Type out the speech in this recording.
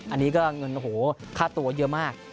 อันนี้ก็ค่าตัวเยอะมาก